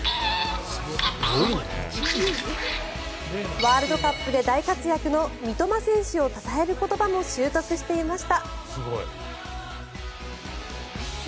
ワールドカップで大活躍の三笘選手をたたえる言葉も習得していました。